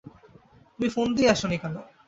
তুমি ফোন দিয়ে আসো নি কেন?